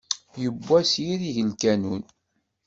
Yewwa s yirij n lkanun!